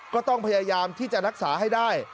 ก็ต้องพยายามที่จะรักษาให้ได้